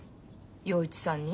洋一さんに？